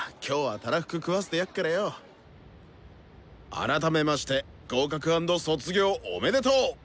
改めまして合格＆卒業おめでとう！